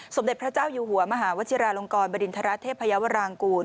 สมเด็จพระเจ้าอยู่หัวมหาวชิราลงกรบริณฑระเทพยาวรางกูล